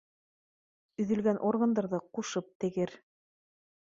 — Өҙөлгән органдарҙы ҡушып тегер